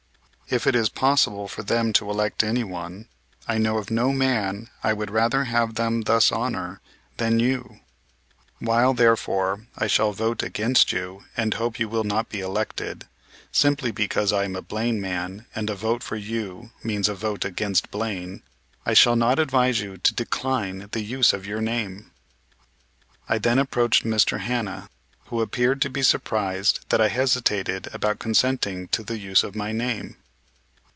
If it is possible for them to elect anyone, I know of no man I would rather have them thus honor than you. While, therefore, I shall vote against you and hope you will not be elected, simply because I am a Blaine man, and a vote for you means a vote against Blaine, I shall not advise you to decline the use of your name." I then approached Mr. Hanna, who appeared to be surprised that I hesitated about consenting to the use of my name.